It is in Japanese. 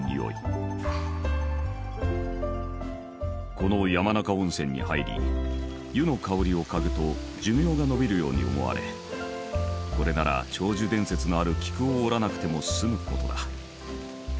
この山中温泉に入り湯の香りを嗅ぐと寿命が延びるように思われこれなら長寿伝説のある菊を折らなくても済む事だ。